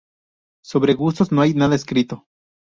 Sobre gustos no hay nada escrito